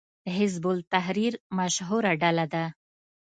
حزب التحریر مشهوره ډله ده